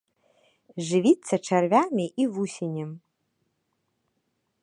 Жывіцца чарвямі і вусенем.